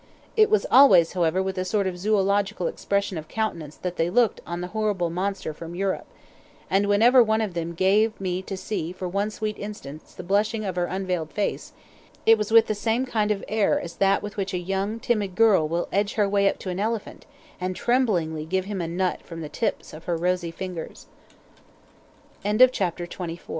It was always, however, with a sort of zoological expression of countenance that they looked on the horrible monster from Europe, and whenever one of them gave me to see for one sweet instant the blushing of her unveiled face, it was with the same kind of air as that with which a young, timid girl will edge her way up to an elephant and tremblingly give him a nut from the tips of h